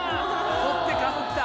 取ってかぶった。